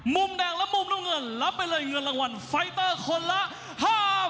มุมแดงและมุมน้ำเงินรับไปเลยเงินรางวัลไฟเตอร์คนละ๕๐๐บาท